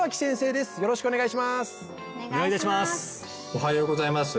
おはようございます